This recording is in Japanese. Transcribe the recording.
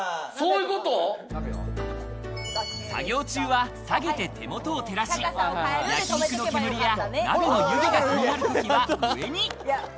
作業中は下げて手元を照らし、焼肉の煙や鍋の湯気が気になるときは上に。